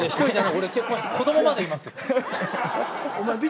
俺結婚して子供までいますよ。